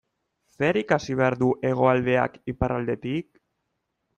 Zer ikasi behar du Hegoaldeak Iparraldetik?